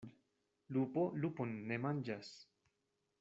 Lupo lupon ne manĝas.